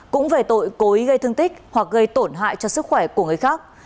cũng về tội cối gây thương tích hoặc gây tổn hại cho sức khỏe của người khác